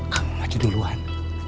kamu maju duluan